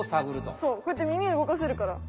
そうこうやってみみ動かせるから。